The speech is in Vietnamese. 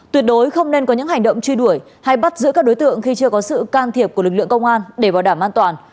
tuyệt đối không nên có những hành động truy đuổi hay bắt giữ các đối tượng khi chưa có sự can thiệp của lực lượng công an để bảo đảm an toàn